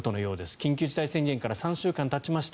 緊急事態宣言から３週間たちました